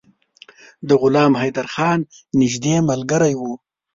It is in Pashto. د غلام حیدرخان نیژدې ملګری وو.